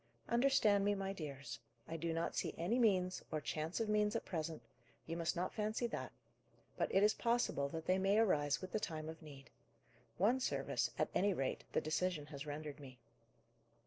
Understand me, my dears: I do not see any means, or chance of means, at present: you must not fancy that; but it is possible that they may arise with the time of need. One service, at any rate, the decision has rendered me."